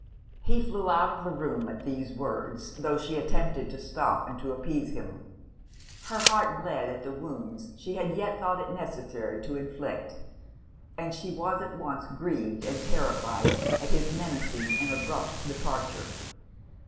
He flew out of the room at these words, tho' she attempted to stop and to appease him. Her heart bled at the wounds she had yet thought it necessary to inflict; and she was at once grieved and terrified at his menacing and abrupt departure.